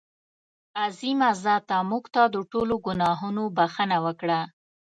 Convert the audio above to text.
عظیمه ذاته مونږ ته د ټولو ګناهونو بښنه وکړه.